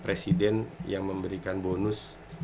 presiden yang memberikan bonus